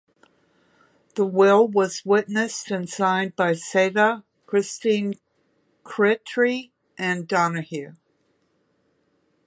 The will was witnessed and signed by Seda, Krystine Kryttre, and Donohue.